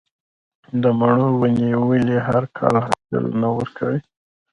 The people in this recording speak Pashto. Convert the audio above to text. د مڼو ونې ولې هر کال حاصل نه ورکوي؟